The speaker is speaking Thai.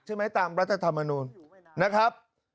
ใช่ไหมตามรัฐธรรมนูนนะครับ